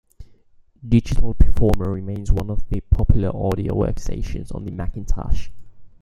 Digital Performer remains one of the popular audio workstations on the Macintosh.